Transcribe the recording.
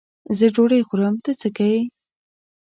زه ډوډۍ خورم؛ ته څه که یې.